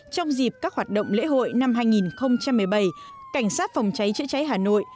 trong dịp các hoạt động lễ hội năm hai nghìn một mươi bảy cảnh sát phòng cháy chữa cháy hà nội